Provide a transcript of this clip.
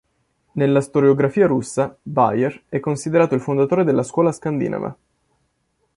Nella storiografia russa Bayer è considerato il fondatore della scuola scandinava.